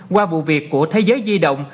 qua vụ việc của thế giới duy động